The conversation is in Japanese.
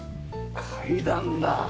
階段だ。